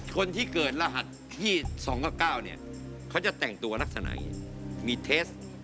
คนที่เกิดรหัสที่๒กับ๙เนี่ยเขาจะแต่งตัวลักษณะอย่างนี้มีเทส